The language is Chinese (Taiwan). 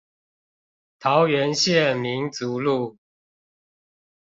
桃園縣民族路